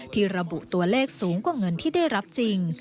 ที่ระบุตัวเลขสูงกว่าเงินที่ได้รับจริง